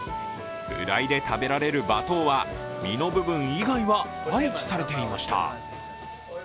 フライで食べられるバトウは、身の部分以外は廃棄されていました。